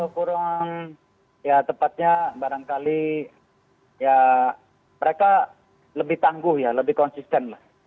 kurang ya tepatnya barangkali ya mereka lebih tangguh ya lebih konsisten lah